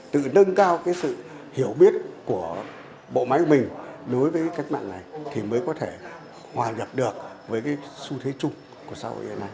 tự nâng cao cái sự hiểu biết của bộ máy của mình đối với các mạng này thì mới có thể hòa nhập được với cái xu thế chung